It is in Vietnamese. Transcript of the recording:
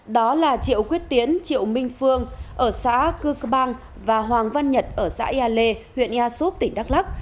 đó là triệu quyết tiến triệu minh phương ở xã cư cơ bang và hoàng văn nhật ở xã ea lê huyện ea sốp tỉnh đắk lắc